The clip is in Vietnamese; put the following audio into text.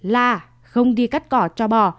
la không đi cắt cỏ cho bò